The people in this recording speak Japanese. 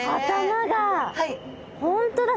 本当だ